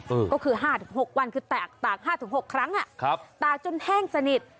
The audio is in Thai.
เออก็คือห้าถึงหกวันคือแตกตากห้าถึงหกครั้งอ่ะครับตากจนแห้งสนิท